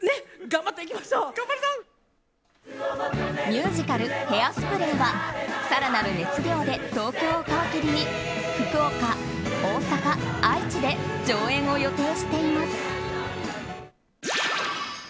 ミュージカル「ヘアスプレー」は更なる熱量で、東京を皮切りに福岡、大阪、愛知で上演を予定しています。